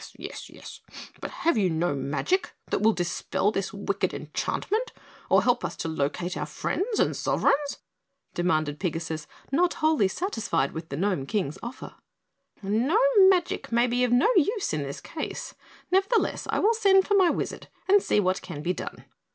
"Yes, yes, but have you no magic that will dispel this wicked enchantment or help us to locate our friends and sovereigns?" demanded Pigasus, not wholly satisfied with the Gnome King's offer. "Gnome magic may be of no use in this case; nevertheless, I will send for my wizard and see what can be done."